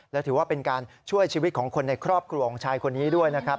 และถือว่าเป็นการช่วยชีวิตของคนในครอบครัวของชายคนนี้ด้วยนะครับ